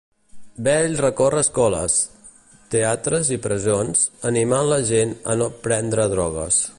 Bell recorre escoles, teatres i presons, animant la gent a no prendre drogues.